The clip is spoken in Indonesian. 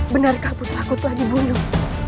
benarkah putraku telah dibunuh